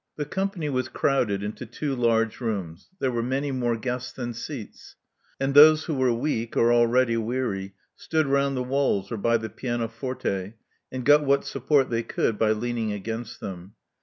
The company was crowded into two large rooms. There were many more guests than seats ; and those who were weak or already weary stood round the walls or by the pianoforte, and got what support they could by leaning against them.